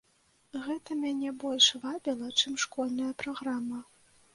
Гэта мяне больш вабіла, чым школьная праграма.